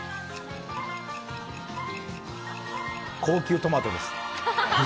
高級トマトです。